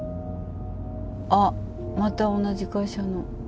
あっまた同じ会社の。